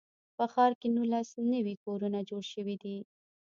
په ښار کې نولس نوي کورونه جوړ شوي دي.